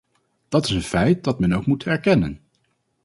Dat is een feit dat men ook moet erkennen.